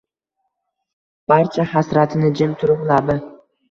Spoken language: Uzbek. Barcha hasratini jim turib labi